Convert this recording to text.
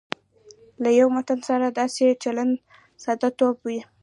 له یوه متن سره داسې چلند ساده توب وي.